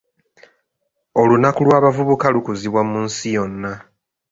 Olunaku lw'abavubuka lukuzibwa mu nsi yonna.